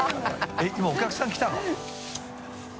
えっ今お客さん来たの？